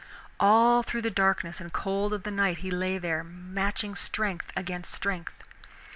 All through the darkness and cold of the night he lay there, matching strength against strength.